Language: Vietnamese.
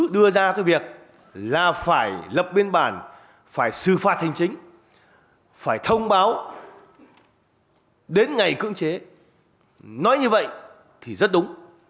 đến ngày cưỡng chế nói như vậy thì rất đúng